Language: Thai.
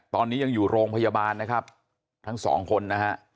ตอนนี้ยังอยู่โรงพยาบาลนะครับทั้งสองคนนะฮะ